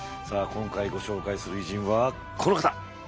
今回ご紹介する偉人はこの方。